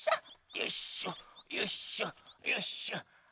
よいしょよいしょよいしょ。